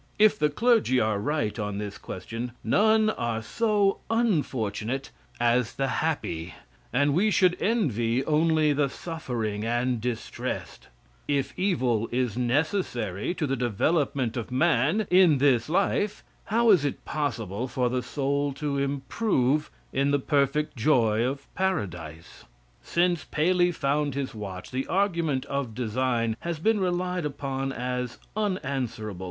If the clergy are right on this question, none are so unfortunate as the happy, and we should envy only the suffering and distressed. If evil is necessary to the development of man, in this life, how is it possible for the soul to improve in the perfect joy of paradise? Since Paley found his watch, the argument of "design" has been relied upon as unanswerable.